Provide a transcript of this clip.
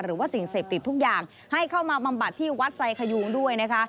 หรือว่าสิ่งเสพติดทุกอย่างให้เข้ามาบำบัดที่วัดไซคยูงด้วยนะคะ